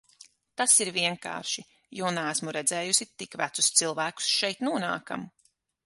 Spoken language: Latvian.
Tas ir vienkārši, jo neesmu redzējusi tik vecus cilvēkus šeit nonākam.